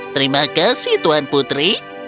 terima kasih tuan putri